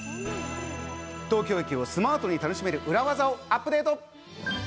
東京駅をスマートに楽しめる裏技をアップデート。